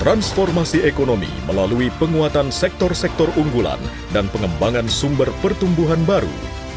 transformasi ekonomi melalui penguatan sektor sektor unggulan dan pengembangan sumber pertumbuhan baru